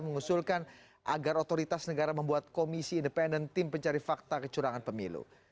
mengusulkan agar otoritas negara membuat komisi independen tim pencari fakta kecurangan pemilu